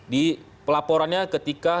di pelaporannya ketika